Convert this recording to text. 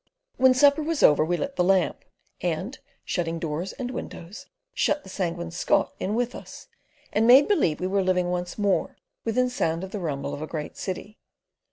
When supper was over we lit the lamp, and shutting doors and windows, shut the Sanguine Scot in with us, and made believe we were living once more within sound of the rumble of a great city.